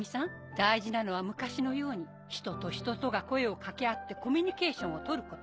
大事なのは昔のように人と人とが声を掛け合ってコミュニケーションをとること。